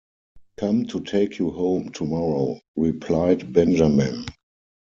‘Come to take you home tomorrow,’ replied Benjamin.